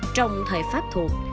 trong thời pháp thuộc